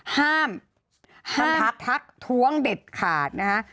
ห้ามทักทวงเด็ดขาดนะคะ